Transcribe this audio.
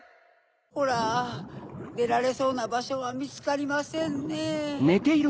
ホラでられそうなばしょはみつかりませんねぇ。